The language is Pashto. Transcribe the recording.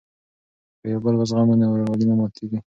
که یو بل وزغمو نو ورورولي نه ماتیږي.